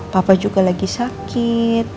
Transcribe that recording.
papa juga lagi sakit